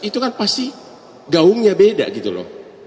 itu kan pasti gaungnya beda gitu loh